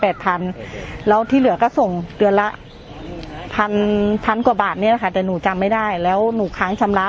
แล้วที่เหลือก็ส่งเดือนละพันพันกว่าบาทนี่แหละค่ะแต่หนูจำไม่ได้แล้วหนูค้างชำระ